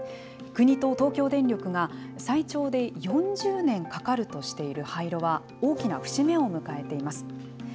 国と東京電力が、最長で４０年かかるとしている廃炉は、大きな節目を迎えています。